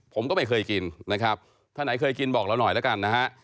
ผมก็ไม่เคยกินนะครับถ้าไหนเคยกินบอกเราหน่อยแล้วกันนะฮะ